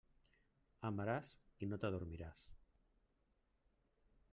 Amaràs i no t'adormiràs.